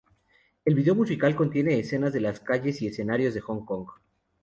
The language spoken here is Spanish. El vídeo musical contiene escenas de las calles y escenarios de Hong Kong.